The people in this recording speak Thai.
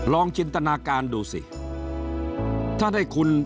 ลองจินตนาการดูสิ